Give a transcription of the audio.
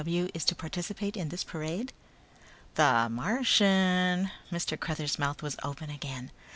F.W. is to participate in this parade?" "The Martian !!" Mr. Cruthers' mouth was open again.